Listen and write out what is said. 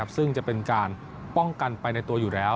ซึ่งจะเป็นการป้องกันไปในตัวอยู่แล้ว